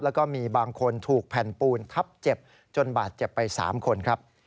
แล้วก็มีบางคนถูกแผ่นปูนทับเจ็บจนบาดเจ็บไป๓คนครับ